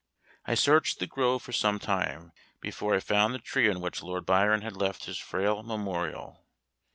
I searched the grove for some time, before I found the tree on which Lord Byron had left his frail memorial.